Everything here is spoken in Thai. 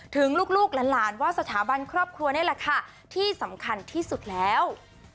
ถึงลูกหลานว่าสถาบันครอบครัวนี่แหละค่ะที่สำคัญที่สุดแล้ว